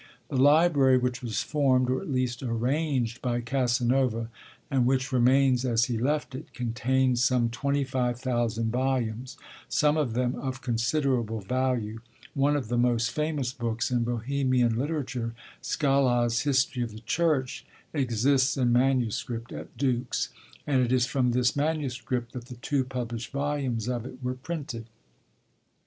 The library, which was formed, or at least arranged, by Casanova, and which remains as he left it, contains some 25,000 volumes, some of them of considerable value; one of the most famous books in Bohemian literature, Skála's History of the Church, exists in manuscript at Dux, and it is from this manuscript that the two published volumes of it were printed.